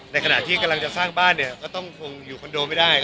ขณะที่กำลังจะสร้างบ้านเนี่ยก็ต้องคงอยู่คอนโดไม่ได้